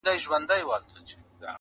خو هغه زړور زوړ غم ژوندی گرځي حیات دی.